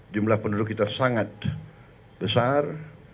jumlah penduduk kita sangat besar